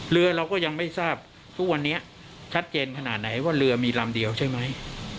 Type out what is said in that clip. เรือเราก็ยังไม่ทราบทุกวันนี้ชัดเจนขนาดไหนว่าเรือมีลำเดียวใช่ไหม